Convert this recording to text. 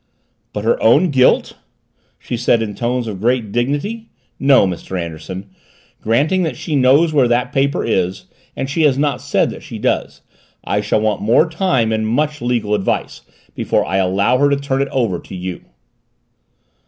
"But her own guilt!" she said in tones of great dignity. "No, Mr. Anderson, granting that she knows where that paper is and she has not said that she does I shall want more time and much legal advice before I allow her to turn it over to you."